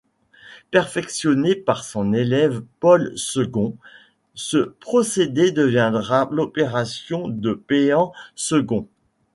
Perfectionné par son élève Paul Segond, ce procédé deviendra l'opération de Péan-Segond.